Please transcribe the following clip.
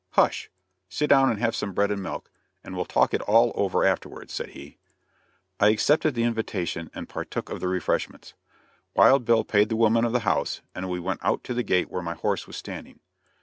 "Hush! sit down and have some bread and milk, and we'll talk it all over afterwards," said he. I accepted the invitation and partook of the refreshments. Wild Bill paid the woman of the house, and we went out to the gate where my horse was standing.